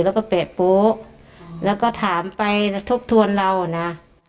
แล้วก็เปรกปุ๊กแล้วก็ถามไปแล้วทบทวนเรานะ